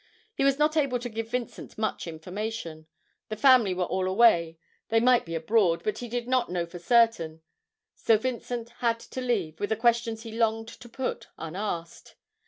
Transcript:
He was not able to give Vincent much information. The family were all away; they might be abroad, but he did not know for certain; so Vincent had to leave, with the questions he longed to put unasked.